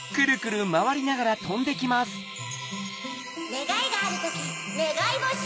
ねがいがあるときねがいぼし。